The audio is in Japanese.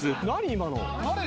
今の。